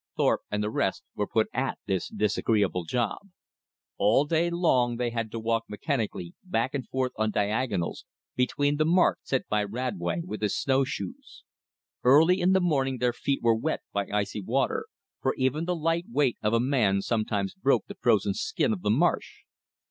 Thorpe and the rest were put at this disagreeable job. All day long they had to walk mechanically back and forth on diagonals between the marks set by Radway with his snowshoes. Early in the morning their feet were wet by icy water, for even the light weight of a man sometimes broke the frozen skin of the marsh.